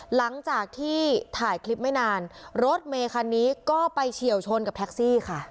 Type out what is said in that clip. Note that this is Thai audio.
หลังจากที่ถ่ายคลิปไม่นานรถเมคันนี้ก็ไปเฉียวชนกับแท็กซี่ค่ะ